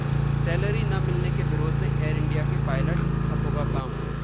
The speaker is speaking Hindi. सैलरी न मिलने के विरोध में एयर इंडिया के पायलट, ठप होगा काम